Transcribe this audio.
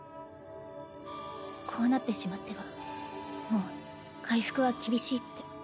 こうなってしまってはもう回復は厳しいって。